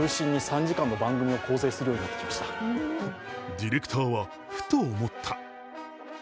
ディレクターはふと思った。